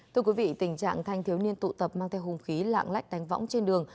tình trạng thanh thiếu niên tụ tập mang theo hùng khí lạng lách đánh võng trên đường